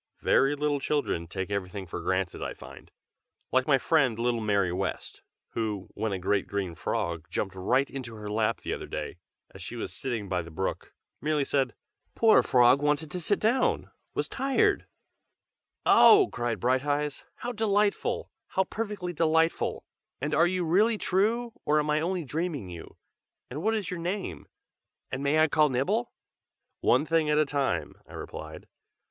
Very little children take everything for granted I find, like my friend little Mary West, who, when a great green frog jumped right into her lap the other day, as she was sitting by the brook, merely said "Poor frog wanted to sit down, was tired!" "Oh!" cried Brighteyes. "How delightful! how perfectly delightful! and are you really true, or am I only dreaming you? and what is your name? and may I call Nibble?" "One thing at a time!" I replied.